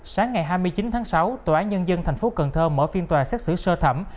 sáng ngày hai mươi chín tháng sáu tòa án nhân dân tp cần thơ mở phiên tòa xét xử sơ thẩm